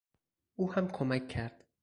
او هم کمک کرد.